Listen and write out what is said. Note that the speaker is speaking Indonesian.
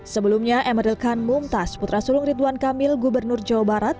sebelumnya emril han muntas putra sulung ridwan kamil gubernur jawa barat